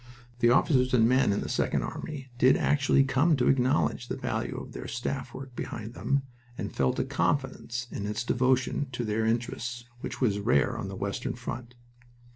The officers and men in the Second Army did actually come to acknowledge the value of the staff work behind them, and felt a confidence in its devotion to their interests which was rare on the western front.